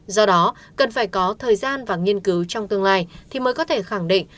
do đó cần phải có thời gian và nghiên cứu trong tương lai thì mới có thể khẳng định